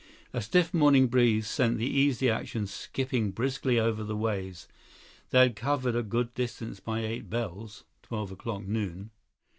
A stiff morning breeze sent the Easy Action skipping briskly over the waves. They had covered a good distance by eight bells, twelve o'clock noon.